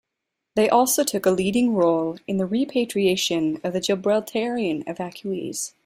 They also took a leading role in the repatriation of the Gibraltarian evacuees.